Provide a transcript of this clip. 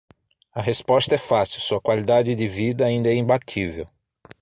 A resposta é fácil, sua qualidade de vida ainda é imbatível.